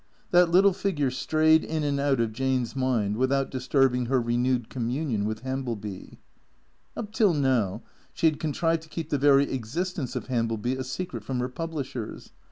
That little figure strayed in and out of Jane's mind without disturbing her renewed communion with Hambleby. Up till now she had contrived to keep the very existence of Hambleby a secret from her publishers.